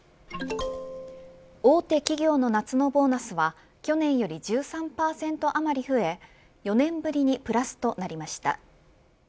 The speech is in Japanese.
大手企業の夏のボーナスは去年より１３％余り増え４年ぶりにプラスとなりました。